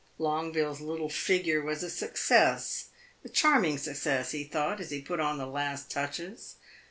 Longueville's little figure was a success a charming success, he thought, as he put on the last touches.